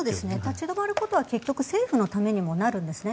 立ち止まることは結局政府のためにもなるんですね。